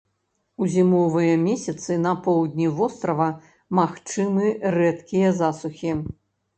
У зімовыя месяцы на поўдні вострава магчымы рэдкія засухі.